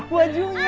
bapak basah wajunya